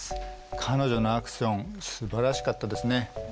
彼女のアクションすばらしかったですね。